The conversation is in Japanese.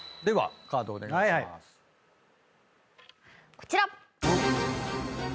こちら！